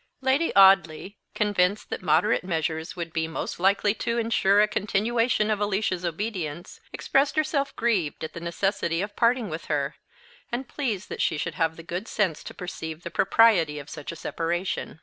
Lady Audley, convinced that moderate measures would be most likely to ensure a continuation of Alicia's obedience, expressed herself grieved at the necessity of parting with her, and pleased that she should have the good sense to perceive the propriety of such a separation.